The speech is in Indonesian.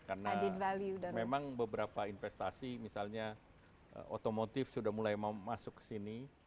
karena memang beberapa investasi misalnya otomotif sudah mulai masuk ke sini